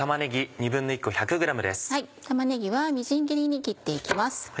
玉ねぎはみじん切りに切って行きます。